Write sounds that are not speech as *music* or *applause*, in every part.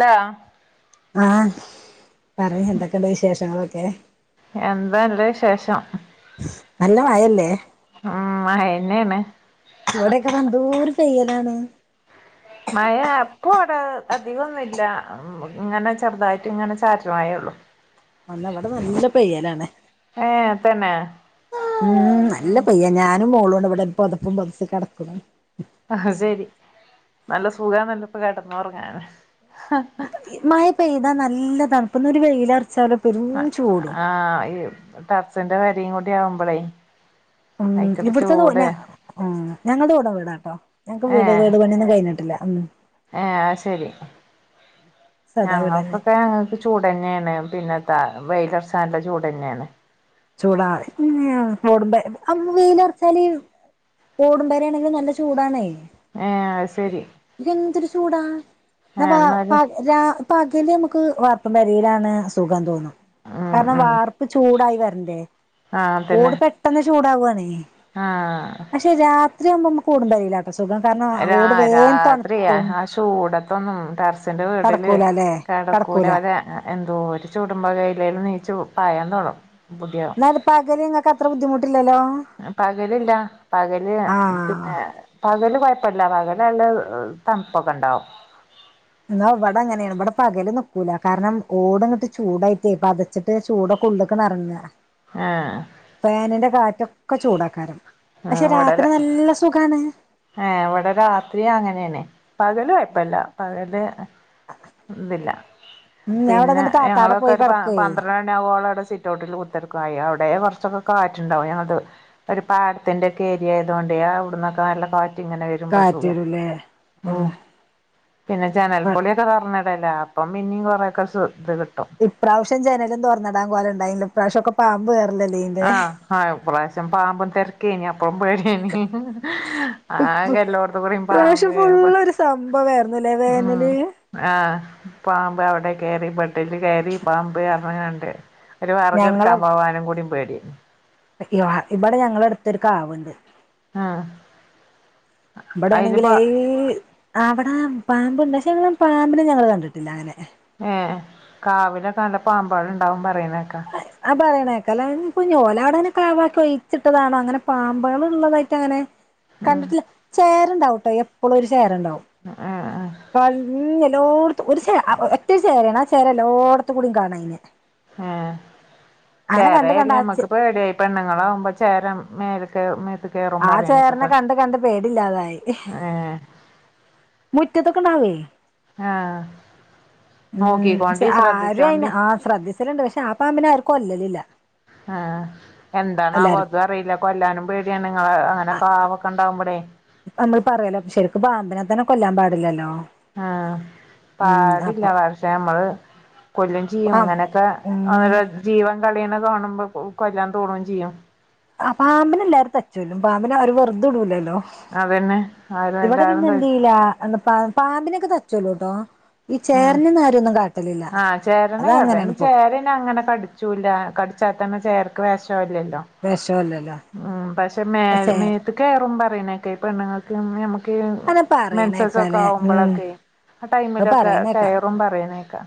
Hello ആഹ് പറയ് എന്തൊക്കെണ്ട് വിശേഷങ്ങളൊക്കെ എന്താല്ലേ വിശേഷം നല്ല മയല്ലേ ഉം മയന്നെണ് അവിടെയൊക്കെ നന്തോര് പെയ്യലാണ് മഴ അപ്പവിടെ അധികൊന്നില്ല ഇങ്ങനെ ചെറുതായിട്ട് ഇങ്ങനെ ചാറ്റൽ മഴേള്ളു അല്ലാഹ് ഇവടെ നല്ല പെയ്യലാണ് ഏ തന്നെ ഉം നല്ല ഉം പയ്യ ഞാനും മോളൂടെ ഇവടെ പൊതപ്പും പൊതച്ച് കെടക്ക്ണ് ആഹ് ശരി നല്ല സുഖാണല്ലൊപ്പ കെടന്നൊറങ്ങാന് മഴ പെയ്താ നല്ല തണുപ്പ്ന്നാ ഒരു വെയിലറച്ചാലൊ ആഹ് ഈ ടറസിന്റെ പെരീം കൂടി ആവുമ്പോളേ ഉം അയിക്കൊരു ഇവിടത്തെന്നൊ ചൂട് *unintelligible* ആ ഞങ്ങളുടെ ഓട് വീടാട്ടോ ഞങ്ങക്ക് ഏ വീട് വീട് പണിയൊന്നും കഴിഞ്ഞിട്ടില്ല ഉം ഏ ആശെരി സാദാ വീടന്നെ ഞങ്ങൾക്കൊക്കെ അത് ചൂടെന്നെയാണ് പിന്നെ ത വെലിലർച്ചാ നല്ല ചൂടന്നെയാണ് ചൂടാ ഓടുമ്പൊ വെയിലറച്ചാല് ഓടുമ്പെര ആണെങ്കിൽ നല്ല ചൂടാണേ ഏ അത് ശരി എന്തൊരു ചൂടാ ഏ ന എന്നാല് രാ പകല് നമുക്ക് വാർപ്പ് വരിയിലാണ് സുഖം തോന്നും ഉം കാരണം ഉം വാർപ്പ് ചൂടായി വര ആഹ് തന്നെ ഓട് പെട്ടെന്ന് ചൂടാവാണേ ആഹ് പക്ഷെ രാത്രികുമ്പോ നമക്കുടുമ്പരയിലാ രാ രാത്രിയ ആ ചൂടത്തൊന്നും ടെർസിന്റെ വീടില് കടക്കൂല അല്ലെ കിടക്കൂല കടക്കൂല അവരെ എന്തോരു ചൂടുമ്പോകേയില് നീച്ചു പായാൻ തോടങ്ങും ന്നാ പകല് ഇങ്ങക്ക് അത്ര ബുദ്ധിമുട്ടില്ലല്ലോ പകലില്ല പകല് ആഹ് പിന്നെ പകല് കൊപ്പല്ല പകല് നല്ല തണുപ്പൊക്കെ ഇണ്ടാവും എന്ന ഇവിടെ അങ്ങനെയാണ് ഇവിടെ പകല് നക്കൂല കാരണം ഓടങ്ങിട്ട് ചൂടായിട്ടേപ്പ പത ച്ചിട്ട് ചൂടൊക്കെ ഉള്ള്ക്കട്ട് എറങ്ങ ആഹ് ഫാനിന്റെ കാറ്റൊക്കെനല്ല ചൂടാക്കാരും പക്ഷെ രാത്രി നല്ല സുഖാണ് ഏ ഇവിടെ രാത്രി അങ്ങനെയാണ് പകല് കൊയപ്പല്ല പകല് ഇതില്ല ഉം ഞാൻ ഇവിടെ പിന്നെ എന്നിട്ട് താത്താടെ ഞങ്ങളൊക്കെ പോയി ഒരു കിടക്കുവേ പന്ത്ര യാവോളം സിറ്റ ഔട്ടിൽ കുത്തിർക്കായി അവിടെ കുറച്ചൊക്കെ കാറ്റിണ്ടാവും ഞ അത് ഒരു പാടത്തിന്റെ ഒക്കെ ഏരിയ ആയതുക കൊണ്ട അവിടുന്നൊക്കെ നല്ല കാറ്റ് ഇങ്ങനെ വരും സുഖം കാറ്റരുല്ലേ ഓ പിന്നെ ജനൽ പൊളി ഒക്കെ പറഞ്ഞിടല്ലേ അപ്പം പിന്നും കുറേയൊക്കെ ഇത് കിട്ടും ഇപ്രാവശ്യം ജനലും തുറന്നടാൻ പോല ഉണ്ടായില്ല ഇ്രാവശ്യം ഓകെ പാമ്പ് കേറില്ലേ ആഹ ഇ പ്രാവശ്യം പാമ്പും തിരക്കേനി അപ്പളും പേടനി ഇപ്പ ആകെ എല്ലോടത്ത് കൂടെയും ഇപ്രാവശ്യം പാമ്പ് ഫുള്ളൊരു സംഭവായിരുന്നുല്ലേ ഉം വേനല് ആഹ് പാമ്പ് അവിടെ കയറി ബട്ടില് കയറി പാമ്പ് എറ കണ്ട് ഒരു വറക് ഞങ്ങളെ എടുക്കാൻ പോവാനും കൂടും പേടിയരുന്നു ഇവിടെ ഞങ്ങള അടുത്തൊരു കാവ്ണ്ട് ആഹ ഇവിടെയാണെങ്കിൽ ഈ അവിടെ പാമ്പ്ണ്ട്ക്ഷെ ഞങ്ങള പാമ്പിനും ഞങ്ങള്ൾ കണ്ടിട്ടില്ല അങ്ങനെ ഏ കാവിലൊക്കെ നല്ല പാമ്പാൾ ഉണ്ടാവും പറയുന്നേക്കാ ആ പറയണേക്കാല ഇപ്പൊ ഒലെ അവിടെനെ കവാക്കി ഒഴിച്ചിട്ടതാണോ അങ്ങനെ പാമ്പുകളൾ ഉള്ളതായിട്ട് അങ്ങനെ ഉം കണ്ടിട്ടില്ല ചേരണ്ടാവട്ടോ എപ്പോഴും ഒരു ചേരണ്ടാവും ആഹ് ആ ക എല്ലോടത്ത ഒരു ഒറ്റരു ചേരാണ് ആ ചേര എല്ലോടത്തും കൂടിയും കാണ ഐനെ ഉ കണ്ട് കണ്ട് ചേരടി ആ ചേ മ്മക്ക് പ്പോ പേട ആായി പെണ്ണുങ്ങളാാവുമ്പോ ചേര മേൽക്ക് കേറും ആ പറയുന്നേക്ക ചേരനെ കണ്ട് കണ്ട് പേടില്ലാതായി മുറ്റത്തൊക്കെണാവേ ആഹ് ഉം നോക്കിക്കോണ്ടി പ ആരും അയി ശ്രദ്ധിച്ചോണ്ടി ആ ശ്രദ്ധിച്ചലുണ്ട് പക്ഷെ ആ പാമ്പിനെ ആർക്കും കൊല്ലില്ല ആഹ എന്തണ അവോ അതും അറിയില്ല കൊല്ലാനും പേടിയാണ് നിങ്ങള് അങ്ങനെ കാവൊക്കെ ഉണ്ടാവുമ്പടെേ നമ്മൾ പറയാലോ ശരിക്ക് പാമ്പിനെ തന്നെ കൊല്ലാൻ പാടില്ലല്ലോ ആഹ ഉം അപ്പൊ പാടില്ല പഷേ നമ്മള് കൊല്ലും ആ ചെയ്യും ഇങ്ങനെയൊക്കെ ഉം അ ജീവൻ കളീണ കാണുമ്പോ കൊല്ലാൻ തോന്നുംചെയ്യും ആ പാമ്പിനെ എല്ലാരും തച്ചു ല്ലും പാമ്പിനെ ആരും വെറുത വിടൂലല്ലോ അതന്നെ ആരും എല്ലാരും തച്ച് എ പ പാമ്പിനൊക്കെ തച്ചല്ലോ ട്ടോ ഈ ഉം ചേരനന്ന്ര ഒന്നും കാട്ട ആഹ് ചേരനെ കട ചേര അങ്ങനെ കടിച്ചൂല്ല കടിച്ചാത്തന്ന ചേർക്ക് വേഷമല്ലല്ലോ വിഷല്ലല്ലോ ഉ പക്ഷെ മേ അപ്പൊ ചേറ് മേത്ത് കയറും പറയണൊക്കെ പെണ്ണുങ്ങൾക്ക് നമുക്ക് അങ്ങനെ മെൻസസ ഒക്കെ പറയണേക്കാലേ ഉം ആവുമ്പോഴൊക്കെയ ആ അത് ടൈമിലൊക്കെ പറയണേക്കാ കയറും പറയുന്നേക്കാ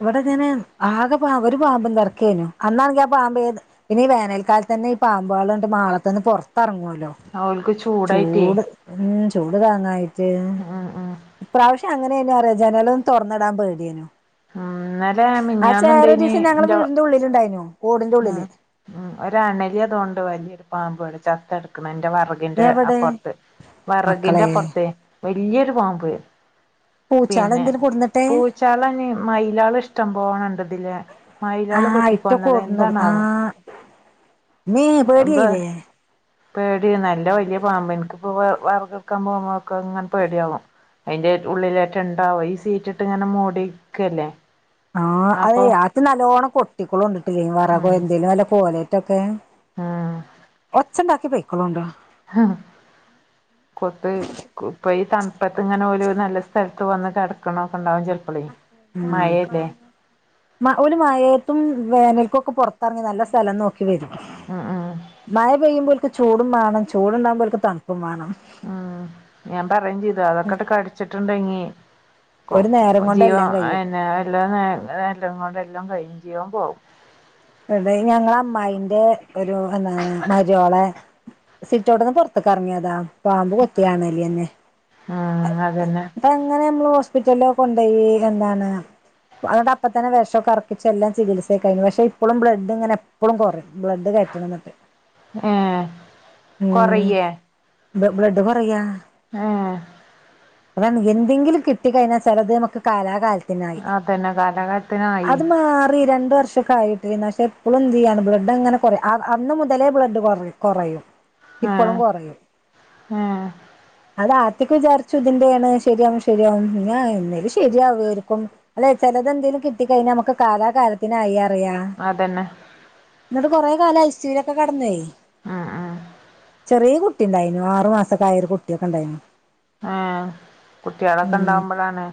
ഇവിടെ ഞാൻ ആകെ പാ ഒരു പാമ്പും െറക്കനു അന്നാണെങ്ക ആ പാമ്പ ഏത് പിന്നെഈ വേനൽക്കാലത്ത് തന്നെ ഈ പാമ്പാളി് മാളത്ത നിന്ന് പുറത്ത്റങ്ങുല്ലോ ഓൽക്ക് ചൂടായിട്ടേ ചൂട് ഉം ചൂട് താങ്ങായിട്ട് ഉം ഉം ഇ പ്രാവശ്യം അങ്ങനെയനെയ റിയാം ജനലൊന്നും തുറന്നടൻ പേടിയനു ഇന്നലെ മിഞ്ഞാന്ന ഇണ്ട ഇനി എന്റെ ഉള്ള ഉണ്ടായി ഓടി ഉ ഉ ഒ അണലി അതൊണ്ട് വലിയൊരു പാമ്പ്ടെ ചത്ത എടുക്കുന്ന എന്റെ വെറ വിറഗിന്റെ എവിടെ അപ്പുറത്ത് മക്കളെ വെറകിൻന്റെ അപ്പുറത്തെ വലിയൊരു പാമ്പ് പൂച്ചാള് പിന്നെ എന്തേലും കൊടുന്നിട്ടെ പൂച്ചാളന് മയിലാള ഇഷ്ടം പോണണ്ടതില് മയിലാള് ആഹ് ഇറ്റ കൊത്തിക്കന്നത് എന്താണാവും നി പേടി ആയില്ലേ പേടി നല്ല വലിയ പാമ്പ യിനിഎനിക്കിപ്പൊ വെർക് വടുക്കാൻ പോകുമ്പോക്ക ഇങ്ങനെ പേടിയാവും അതിന്റെ ഉള്ളിലേട്ട ഇണ്ടാവോ ഈ സീറ്റിട്ട് ഇങ്ങനെ മൂടിയിക്കല്ലേ ആ അത ആത് നല്ലോണ്ണം കൊട്ടികള ഉണ്ടിട്ടില്ല ഉം വറക എന്തേലും വല്ല കോലേറ്റൊക്കെ ഉം ഒച്ചുണ്ടാക്കി പൊയ്ക്കോളോണ്ടു കൊത്ത് ഇപ്പൊ ഈ തണുപത്ത് ഇങ്ങനെ പോല നല്ല സ്ഥലത്ത് വന്ന് കടക്കണൊക്കെ ഉണ്ടാകും ചെലപ്പോ അപളോ ഉം മഴല്ലേ ഓല് മഴയത്തും വേനൽക്കുംഒക്കെ പുറത്തിറങ്ങി നല്ല സ്ഥലം നോക്കി വരും ഉം ഉം മഴ പെയ്യുമ്പോേൽക്ക് ചൂടും വേണം ചൂടുണ്ടാവകുമ്പോഒൽക് തണുപ്പും മാണം ഉം ഞാൻ പറയയും ചെയ്തു അതൊക്കെങ്ങട്ട് കടിച്ചിട്ടുണ്ടെങ്ങി. ഒരു നേരം കൊണ്ട് എല്ലാം കഴിയും ജീവംന്നെ എല്ലാം നോരം കൊണ്ട് എല്ലാം കഴിയും ജീവം പോകും. എലകി ഞങ്ങളൊ അമ്മായിന്റെഒരു എന്താണ് മരോളെ സിറ്റോട്ടന്ന് പുറത്ത്ക്ക് ഇറങ്ങിയതാ പാമ്പ് കൊത്തി അണലി ന്നെ ആഹ് അതന്നെ അങ്ങനെ നമ്മള് ഹോസ്പിറ്റലിക്കൊ കൊണ്ടോയി എന്താണ് അതൊണ്ട് അപ്പ തെ വെഷം ഒക്കെറക്കിച്ച് എല്ലാം ചികിത്സെ കഴിഞു പക്ഷെ ഇപ്പോഴും ബ്ലഡ് ഇങ്ങനെ എപ്പഴും കുറയും ബ്ലഡ് കറ്റണം എന്നിട്ട്. ഏ ഉം കൊറയെ ബ്ലഡ് കുറയ ആഹ് അത എന്തെങ്കിലും കിട്ടികഴിഞൽ ചലത് നമുക്ക് കാലാകാലതി നായി അതന്നെ കാലകാലത്തിനായി അത് മാറി രണ്ട് വർഷം യി പക്ഷെ എപ്പോഴും എന്തയ്യാണ് ബ്ലഡ് അങ്ങനെ കുറയും അന്ന് മുതലേ ബ്ലഡ് കുറ കുറയും ഇപ്പോളും ഏഹ് കുറയും ഏഹ് അത് എക്ക വിചാരിച്ചു ഇതിന്റെയാണ് ശരിയാവും ശരിയാവും ഞ എന്നല് ശരിയാ വേരിക്കും അല്ലെ ചെിലത എന്തേലും കിട്ട കഴിഞ്ഞാൽ നമുക്ക് കാലാകാലത്തിനായി അറിയാ അതന്നെ എന്നിട്ട് കുറെ കാലം ഐ സി ലൊ ക്കെ കിടന്നേ ആഹ്ആഹ് ചെറിയ കുട്ടി ഉണ്ടായിനു ആറു മാസക്കൊയ ഒരു കുട്ടിയൊക്കെ ഉണ്ടായിനു. ആഹ കുട്ടികളൊക്കെ ഉം ഇണ്ടാവുമ്പോളണ്.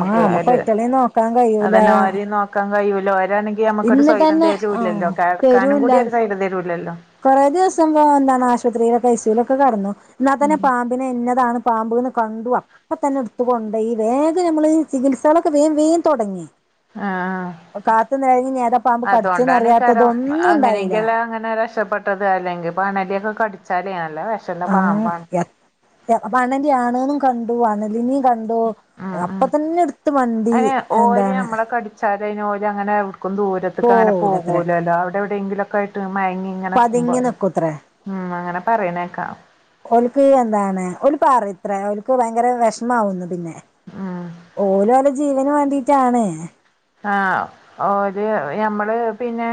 ആഹ് നമ്മുക്ക് ഒരു ഒറ്റളേം നോക്കാൻ കഴിയൂല അതന്നെ ഒര് നോക്കാൻ കഴിയൂലോ ഒരാണെങ്കി നമ്മുക്കൊരു ഇന്നിട്ട് സ്വയ്രം തന്നെ തരൂ തരുല്ലല്ലോ ആഹ് കിടക്കാനും കൂടി ഒരു സൈരൃം തരുരല്ലോ? കുറേ ദിവസം പോ എന്താണ് ആശുപത്രിയിലൊക്കെ ഐ സി ലൊക്കെ കടന്നു എന്നാൽ തന്നെ പാമ്പ ന്നെ ഇന്നതാണ് പാമ്പുന്ന് കണ്ടുവ അപ്പൊ തന്നെ എടുത്ത് കൊണ്ടയി ഈ വേഗം നമ്മള് ചികിത്സകളൊക്കെ വേ വേൻ തുടങ്ങി. ആഹ് കാത്തു നിഴഞ്ഞ് നേരെ പാമ്പ് അതുകൊണ്ടാകാരം കടിച്ചെന്നറിയാത്തതൊന്നും ഉണ്ടായില്ല അങ്ങനെങ്കല്ലാം അങ്ങനെ രക്ഷപ്പെട്ട പെട്ടത് അല്ലെങ്കിൽ അണലിയൊക്കെ കടിച്ചാല് നല്ല വെഷള്ള പാമ്പാണ് ആഹ് ആണലി അണുനും കണ്ടു അണലിന് കണ്ടു ഉം അപ്പൊ ഉം തന്നെ എടുത്ത് മണ്ടി എന്താണ്. കടിച്ചാലയിന് ഓൽ അങ്ങനെ എവിടുക്കും ദൂരത്തേക്കെ അങ്ങെ പോവൂലത്രേ പോകുലല്ലോ അവിടെ എവിടെയങ്കിലൊക്കെ ആയി് മയങ്ങി ഇങ്ങനെക്കുമ്പോ പതുങ്ങി നിക്കൂത്രേ ഉ അങ്ങനെ പറയണേക്കാ ഓല്ക്ക് എന്താണ് ഓൽ പറയുംത്ര ഒ ഓൽക്ക് ഭയങ്കര വിഷമാവും. പിന്നെ ഉം ഓല് ഓലെ ജീവന് വേണ്ടിട്ടാണ് ആഹ ഓര് ഞമ്മള് പിന്നെ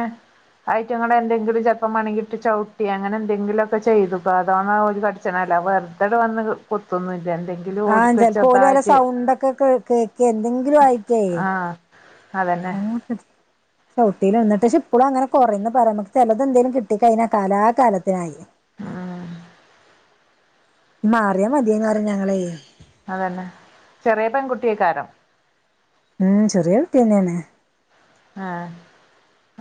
അയ്ട്ടങ്ങളെ എന്തെങ്കിലും ചെലപ്പം മാണെങ്കി ഇട്ട് ചവിട്ടി അങ്ങനെ എന്തെങ്കിലും ഒക്കെ ചെയ്തുക്കോ അതോ ണ്ടാവും ഓൽ കടി വെറുതെടെ വന്ന് കൊത്തൊന്നും ഇല്ല എന്തെങ്കിലും ആഹ ഓര്ക്കൊരു ചിലപ്പോ ഒല് ഓലെ ചെറുതായിട്ട് സൗണ്ടൊക്കെ കേ കേക്ക എന്തെങ്കിലും ആയിട്ടേ ആഹ് അതന്നെ എങ്ങോട്ട് ചഷവട്ടിയി നിന്നിട്ട് പക്ഷെ ഇപ്പോളും അങ്ങനെ കുറേന്ന് പറയാമക്ക് ചില എന്തേലും കിട്ടി കഴിഞ്ഞൽ കാലാ കാലത്തിനായി. ഉം മാറിയാ മതിയേന്ന് പറയും ഞങ്ങള്യ അതന്നെ ചെറിയ പെൺകുട്ടിയക്കാരം ഉം ചറിയ കുട്ടിന്നേ ആണ് ആഹ്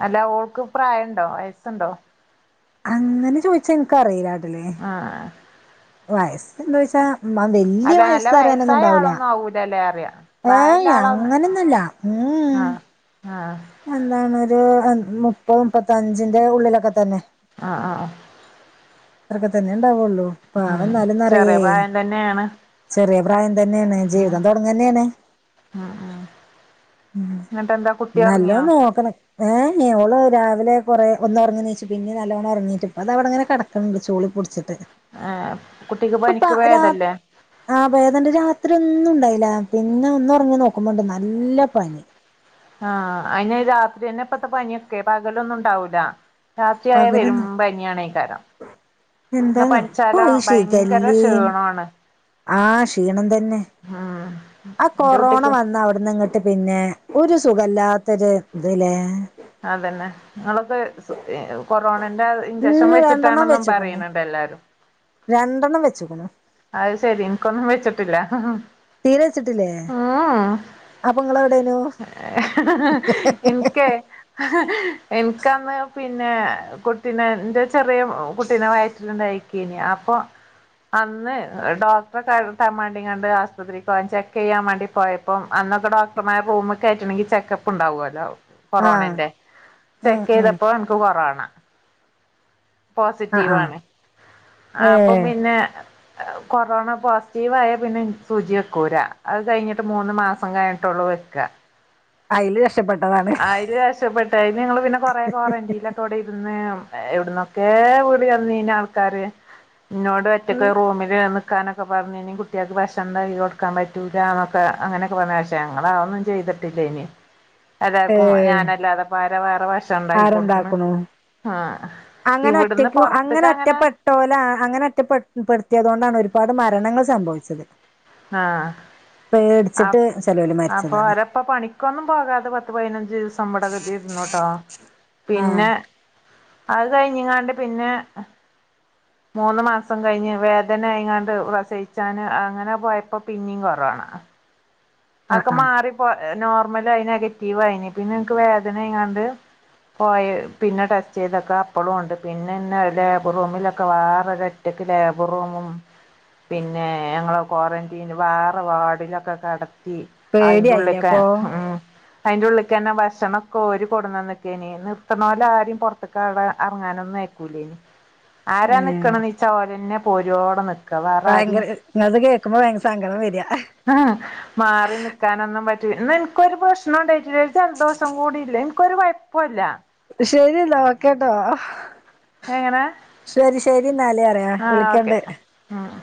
അല്ല ഓൾക്ക് പ്രായുണ്ടോ വയസ്സുണ്ടോ അങ്ങനെ ചോയ്ച്ച എനക്ക്റിയില്ലാട്ടല്ലേ ആഹ് വയസ്സ് ണ്ടോ ചോയ്ച്ച വലിയ വയസ്സ് പറയ ഒന്നും ഉണ്ടാവില്ല ആൗലല്ലേ അറിയ പ്രായല്ല ഏയ് ആളാന്ന് അങ്ങനൊന്നല്ല ആഹ് ആഹ് എന്താണ് ഒരു മുപ്പത് മുപ്പത്ത അഞ്ചിന്റെ ഉള്ളിലൊക്കെ തന്നെ. ആഹ് ആഹ് അത്രൊക്കെ തന്നെ ഉണ്ടാവുള്ളൂ പാവ ഉം എന്നാലുംന്നറയേ ചെറിയ പ്രായം തന്നെയാണ് ചെറിയ പ്രായം തന്നെയാണ് ജീവിതം തുടങ്ങ തന്നെയാണ്. ആഹ് ആഹ് എന്നട്ടന്താ കു. നല്ലോ നോക്കണ. ഏ ഓൾ രാവിലെ കുറെ ഒന്ന്റങ്ങിച്ചു പിന്നെ നല്ലവണ്ണം ഇറങ്ങീട്ടു ഇപ്പോ ദ ഇവിടെങ്ങനെ കട ക ചോളി പൊടിച്ചിട്ട്. ഏ കുട്ടിക്ക് പനിക്ക് ഭേദല്ലേ. ആഹ ബേദണ്ട് രാത്രി ഒന്നും ഉണ്ടായില്ല പിന്നെ ഒന്ന ഉറങ്ങി നോക്കുമ്പോണ്ട് നല്ല പനി. ആഹ അയിന് രാത്രി തന്നെ ഇപ്പത്തെ പനിയൊക്കെ പകലൊന്നും ഉണ്ടാവൂല. രാത്രിയായ പകലൊന്നും വരുമ്പനിയാണേകാരം ഇന്നാ എന്താന്നോ ഇപ്പൊ പനിച്ചാലോ ഈ ഭയങ്കര ശിഖല്ലേം ക്ഷീണാണ്. ആഹ് ക്ഷീണം തന്നെ ആ എന്റെ കൊറോണ കുട്ടിക്കും വന്ന അവിടന്ന് ഇങ്ങട്ട്. ദ് പിന്നെ ഒരു സുഖല്ലാത്തൊരു ഇതിലേ അതന്നെ നിങ്ങളൊക്കെ കൊറോണന്റെ ഇഞ്ചക്ഷൻ ഇന്ന് രണ്ടെണ്ണം വെച്ചിട്ടാണും വെച്ച്ക്ക്ണു പറയുന്നുണ്ട് എല്ലാരും. രണ്ടെണ്ണം വെച്ചക്ണു അത് ശെരി നിക്കൊന്നും വെച്ചിട്ടില്ല തീരെ വച്ചിട്ടില്ലേ ഉം അപ്പൊ നിങ്ങളെവിടെനു ഹ ഹ ഹ ഹ എനിക്കന്ന് പി പിന്നെ കുട്ടീനെ ൻ്റെ ചെറ്യാ കുട്ടീനെ വയറ്റിലണ്ടായിക്ക നേഅപ്പൊ അന്ന് ഡോക്ടറെ കട്ടാൻ വാണ്ടി കാണ്ട് ആശുപത്രിക്ക് പോയാൻ ചെക്ക് ചെയ്യാൻ വാണ്ടി പോയ അപ്പം അന്നൊക്കെ ഡോക്ടർമാർ റൂമിൽ കയറ്റണങ്കിൽ ചെക്കപ്പ്ണ്ടാവുല്ലോ ആഹ് കൊറോണന്റെ ആഹ് ചെക്ക് ആഹ് ചെയ്തപ്പോ നിക്ക് കൊറോാണ. ആഹ് ആഹ് പോസിറ്റീവാണ് അപ്പം ഏഹ് പിന്നെ. കൊറോണ പോസിറ്റീവായാൽ പിന്നെനിക്ക് സുചി വെക്കൂലാ അത് കഴിഞ്ഞിട്ട് മൂന്ന് മാസം കഴിഞ്ഞിട്ടുള്ളൂ വയ്ക്ക അയില് രക്ഷപ്പെട്ടതാണ് അയില് രക്ഷപെട്ട അതിന് ഞങ്ങള് പിന്നെ കൊറെ ക്വാറന്റീൽ ത്തോടെരുന്ന് എവിടുന്നൊക്കെ വീളി വന്നീന ആൾക്കാര് ഇന്നോട്. റ്റക്കെ റൂമിൽ കൊക്കാനക്കെ പറഞ്ഞ കഴിഞ്ഞി കുട്ടൾക്ക് ഭക്ഷണം ണ്ടാക്കികൊടുക്കാൻ പറ്റുലാ ന്നക്കെ അങ്ങനെയൊക്കെ പറഞ്ഞ ക്ഷെ ഞങ്ങളാ അഞാന്നും ചെയ്തിട്ടില്ല ഇനി എല്ലാവർക്കും ഏഹ് ഞാനല്ലാതെ ഇപ്പോ ആരാ വേറെ ഭക്ഷണം ഉണ്ടാക്കി കൊടുക്കണ് ആരണ്ടാക്ക്ണു ആഹ് അങ്ങനെ ഇവിടുന്ന് ഒറ്റയ്ക്കു അങ്ങനെ പൊറത്ത്ക്ക് ഒറ്റപ്പെ ട്ട് ഓലഅങ്ങനെ ഒറ്റപ്പെപ്പെടുത്തിയതുകൊണ്ടാണ് ഒരുപാട് മരണങ്ങൾ സംഭവിച്ചത്. ആഹ് പേടിച്ചിട്ട് ചെലോര് മരിച്ചതാണ് ഇപ്പൊ പണിക്കൊന്നും പോകാതെ പത്ത് പതിനഞ്ച് ദിവസം ഇവിടെ *unintelligible* ഇുന്നട്ടോ ആഹ് പിന്നെ അത് കഴിഞ്ഞങ്ങാണ്ട് പിന്നെ. മൂന്ന് മാസം കഴിഞ്ഞ് വേദനയിങ്ങാണ്ട് പ്രസയിച്ചാന് അങ്ങനെ. പോയപ്പോപിന്നെ കൊറോണ ആ അതക്കെ ആ മാറിപ്പോ നോർമൽ ആയി നെഗറ്റീവായിന് പിന്നെ എനിക്ക് വേദന ആയിങ്ങാണ്ട് പോയി പിന്നെ ടെസ്റ്റ് ചെയ്തൊക്കെ അപ്പളും ഉണ്ട് പിന്നെന്നെ ലേബറൂമിലൊക്കെ വേറെ ഒറ്റയ്ക്ക് ലേബർ റൂമും. പിന്നെ ഞങ്ങളെ ക്വാറന്റീൻ വേറെ വാർഡിലൊക്കെ കടത്തി. പേടിയായില്ലേ ആയിന്റെുള്ള്ക്കെ അപ്പൊ ഉം അയിൻൻ്റുള്ളിക്ക് ന്നെ ഭക്ഷണം ക്കെ ഓര് കൊടുന്ന ന്നേക്ക്യ്നി നിർത്ത് ണോലെ ആരെം പൊർത്ത്ക്കാടെ അറങ്ങാനൊന്നും അയിക്കൂ ലേനി ഉം ആരാ നിക്കണന്നീച്യാ ഓലെന്നെ പോരോണം നി ഭയങ്കര ഇങ്ങൾത് കേക്കുമ്പോ ഭയങ്ക സങ്കടം വെരാ അഹ് ആഹ് മാറി നിക്കാനന്നും പറ്റൂ ന്നാ ൻക്കൊരു പ്രശ്നം ഉണ്ടായിട്ട്ല്ല ഒര് ജലദോഷം കൂടിയില്ല ൻക്കൊരു കൊയപ്പുംല്ല ശരി യന്നാ വെക്കാ ട്ടോ എങ്ങനെ ശരി ശരി ന്നാല് ഓക്കെ റ്യവിളിക്കണ്ട് ആഹ്